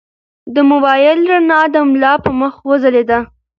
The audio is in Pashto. د موبایل رڼا د ملا په مخ وځلېده.